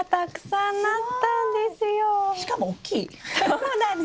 そうなんです。